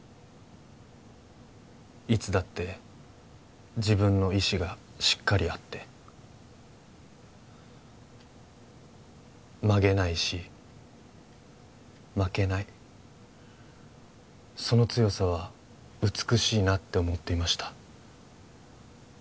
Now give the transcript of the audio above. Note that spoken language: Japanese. いつだって自分の意思がしっかりあって曲げないし負けないその強さは美しいなって思っていました